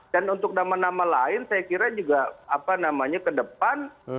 dan untuk nama nama lain saya kira juga apa namanya ke depan